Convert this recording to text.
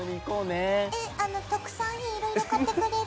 え、特産品いろいろ買ってくれる？